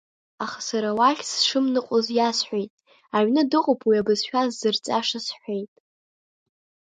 Аха сара уахь сшымныҟәоз иасҳәеит, аҩны дыҟоуп уи абызшәа сзырҵаша, — сҳәеит.